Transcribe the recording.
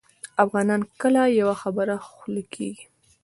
افغانان کله یوه خوله کیږي؟